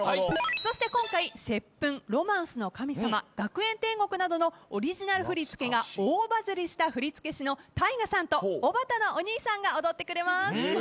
そして今回『接吻』『ロマンスの神様』『学園天国』などのオリジナル振り付けが大バズりした振付師のタイガさんとおばたのお兄さんが踊ってくれます。